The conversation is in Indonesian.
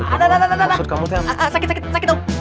ada ada ada sakit sakit sakit om